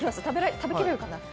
食べ切れるかな。